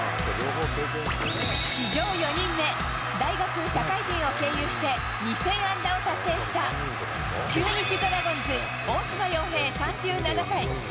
史上４人目、大学・社会人を経由して、２０００安打を達成した、中日ドラゴンズ、大島洋平３７歳。